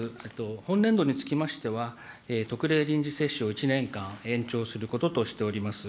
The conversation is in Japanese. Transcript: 本年度につきましては、特例臨時接種を１年間延長することとしております。